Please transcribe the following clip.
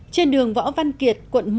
trên đường võ văn kiệt quận một